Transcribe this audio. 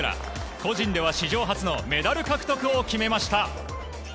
個人では史上初のメダル獲得を決めました。